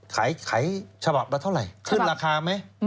ขายฉบับละเท่าไหร่ขึ้นราคาไหม